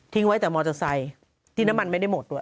ไว้แต่มอเตอร์ไซค์ที่น้ำมันไม่ได้หมดด้วย